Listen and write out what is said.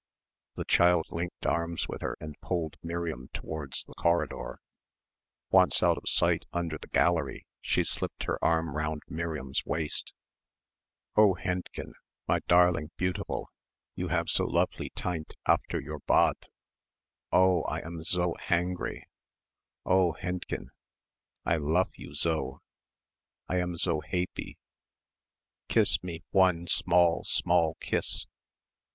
The child linked arms with her and pulled Miriam towards the corridor. Once out of sight under the gallery she slipped her arm round Miriam's waist. "Oh, Hendchen, my darling beautiful, you have so lovely teint after your badth oh, I am zo hangry, oh Hendchen, I luff you zo, I am zo haypie, kiss me one small, small kiss."